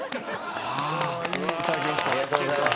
ありがとうございます。